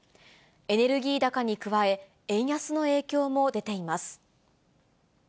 エネルギー高に加え、円安の影響も出ています。